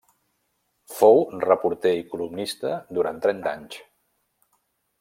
Fou reporter i columnista durant trenta anys.